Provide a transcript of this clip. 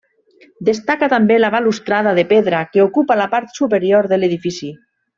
Destaca també la balustrada de pedra que ocupa la part superior de l'edifici.